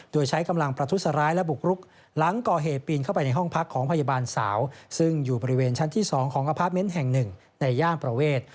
โดยใช้กำลังประทุษร้ายและบุกรุกหลังก่อเหตุปีนเข้าไปในห้องพักของพยาบาลสาวซึ่งอยู่บริเวณชั้นที่๒ของอพาร์ทเมนต์แห่งหนึ่งในย่านประเวท